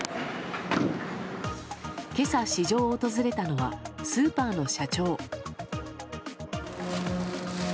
今朝、市場を訪れたのはスーパーの社長。